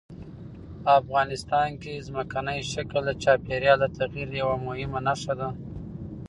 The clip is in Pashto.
افغانستان کې ځمکنی شکل د چاپېریال د تغیر یوه مهمه نښه ده.